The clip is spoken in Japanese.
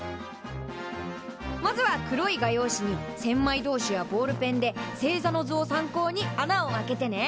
まずは黒い画用紙に千枚通しやボールペンで星座の図を参考に穴を開けてね。